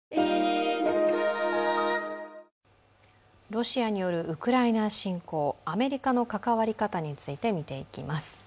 ロシアによるウクライナ侵攻、アメリカの関わり方について見ていきます。